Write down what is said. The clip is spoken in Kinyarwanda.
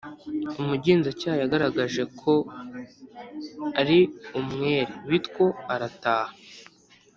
Umugenza cyaha yagaragaje ko ari umwere bitwo arataha